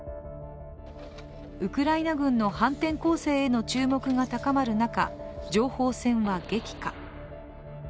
ウクライナ軍の反転攻勢への注目が高まる中情報戦は激化。